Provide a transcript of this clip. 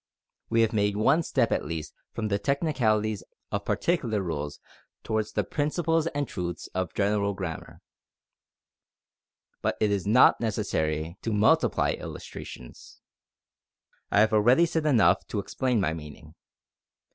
We have made one step at least from the technicalities of particular rules towards the principles and truths of general grammar. But it is not necessary to multiply illustrations. I have already said enough to explain my meaning.